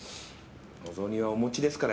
お雑煮はお餅ですから。